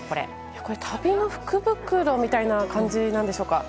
これ、旅の福袋みたいな感じなんでしょうか。